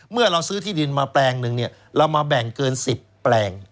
เมื่อเราซื้อที่ดินมาแปลงหนึ่งเรามาแบ่งเกิน๑๐แปลง